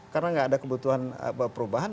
karena gak ada kebutuhan perubahan